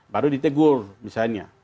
baru ditegur misalnya